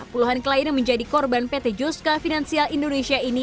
puluhan klien yang menjadi korban pt juska finansial indonesia ini